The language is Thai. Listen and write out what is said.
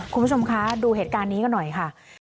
คุณผู้ชมคะดูเหตุการณ์นี้กันหน่อยค่ะ